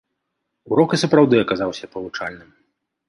Урок і сапраўды аказаўся павучальным.